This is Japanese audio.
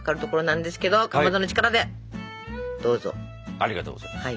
ありがとうございます。